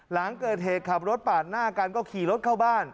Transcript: หลังเกิดเหตุขับรถปาดหน้ากันก็ขี่รถเข้าบ้าน